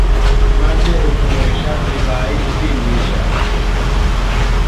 maze utunywesha divayi isindisha